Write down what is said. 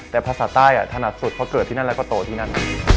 แต่ภาษาใต้ถนัดสุดเพราะเกิดที่นั่นแล้วก็โตที่นั่น